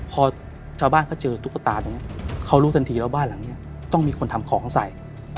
พอชาวบ้านเขาเจอตุ๊กตาตรงนี้เขารู้ทันทีแล้วบ้านหลังนี้ต้องมีคนทำของใส่